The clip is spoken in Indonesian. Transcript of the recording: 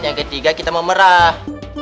yang ketiga kita memerah